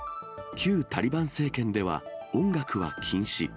旧タリバン政権では、音楽は禁止。